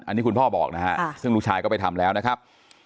อันนี้คุณพ่อบอกนะฮะซึ่งลูกชายก็ไปทำแล้วนะครับ